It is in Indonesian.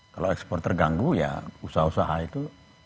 kalau ekspor terganggu ya usaha usaha itu